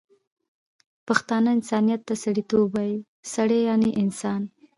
پښتانه انسانیت ته سړيتوب وايي، سړی یعنی انسان